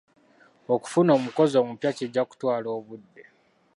Okufuna omukozi omupya kijja kutwala obudde.